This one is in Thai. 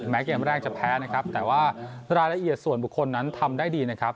เกมแรกจะแพ้นะครับแต่ว่ารายละเอียดส่วนบุคคลนั้นทำได้ดีนะครับ